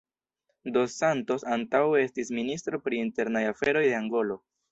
Dos Santos antaŭe estis ministro pri internaj aferoj de Angolo.